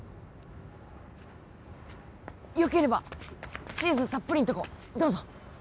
よければチーズたっぷりんとこ、どうぞ！